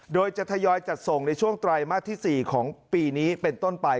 โดยจะทยอยจัดส่งในช่วงไตรมาสที่๔ของปีนี้เป็นต้นไป